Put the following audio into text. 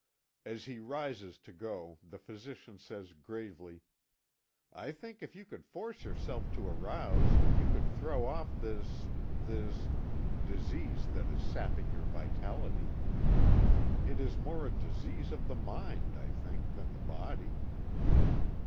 As he rises to go, the physician says gravely: "I think if you could force yourself to arouse, you could throw off this this disease that is sapping your vitality. It is more a disease of the mind, I think, than the body."